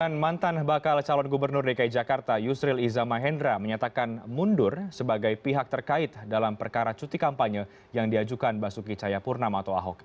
dan mantan bakal calon gubernur dki jakarta yusril izamahendra menyatakan mundur sebagai pihak terkait dalam perkara cuti kampanye yang diajukan basuki cayapurnam atau ahok